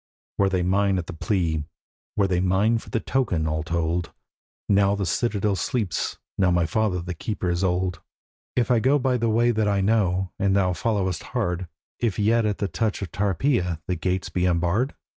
'Were they mine at the plea, were they mine for the token, all told, Now the citadel sleeps, now my father the keeper is old, 'If I go by the way that I know, and thou followest hard, If yet at the touch of Tarpeia the gates be unbarred?